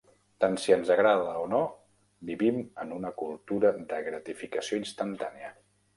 Tant si ens agrada o no, vivim en una cultura de gratificació instantània.